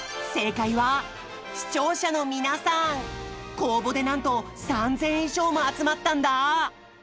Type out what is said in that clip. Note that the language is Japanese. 公募でなんと３，０００以上も集まったんだ！